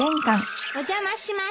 お邪魔しました。